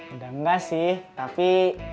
udah enggak sih tapi